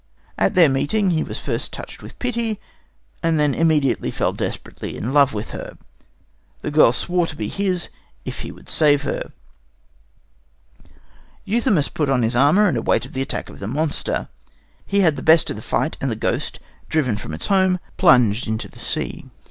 At their meeting he was first touched with pity, and then immediately fell desperately in love with her. The girl swore to be his, if he would save her. Euthymus put on his armour and awaited the attack of the monster. He had the best of the fight, and the ghost, driven from its home, plunged into the sea.